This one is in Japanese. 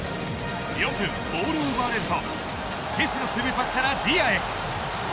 ４分、ボールを奪われるとシスのスルーパスからディアへ。